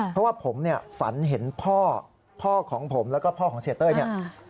เพราะว่าผมฝันเห็นพ่อพ่อของผมแล้วก็พ่อของเศรษฐ์เต้ย